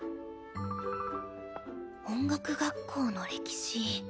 音楽学校の歴史。